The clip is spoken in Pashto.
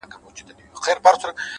هوډ د نامعلومو لارو جرئت دی’